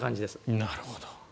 なるほど。